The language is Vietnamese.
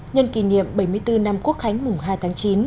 nhân kỷ niệm bảy mươi bốn năm quốc khánh mùng hai tháng chín